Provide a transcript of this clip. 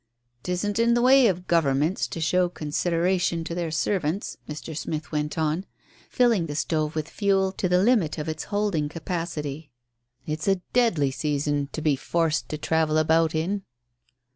"'Tisn't in the way of Governments to show consideration to their servants," Mr. Smith went on, filling the stove with fuel to the limit of its holding capacity. "It's a deadly season to be forced to travel about in."